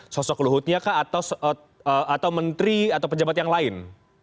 sosok luhutnya kah atau menteri atau pejabat yang lain